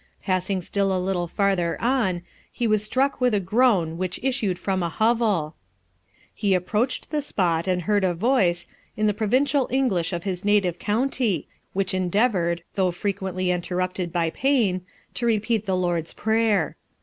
Passing still a little farther on, he was struck with a groan which issued from a hovel. He approached the spot, and heard a voice, in the provincial English of his native county, which endeavoured, though frequently interrupted by pain, to repeat the Lord's Prayer.